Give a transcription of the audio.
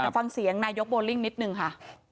ฟังเสียงนายกโบลิ่งนิดนึงค่ะ